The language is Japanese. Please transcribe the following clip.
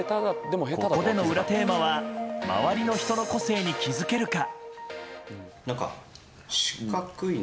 ここでの裏テーマは周りの人の個性に気付けるか。